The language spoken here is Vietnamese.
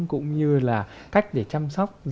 cũng như là cách để chăm sóc